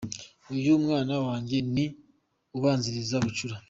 Uyu mwana wanjye ni ubanziriza bucura”.